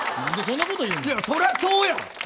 それはそうやん！